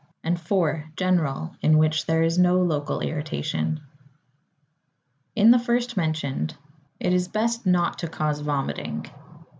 4. General, in which there is no local irritation. In the first mentioned, it is best not to cause vomiting.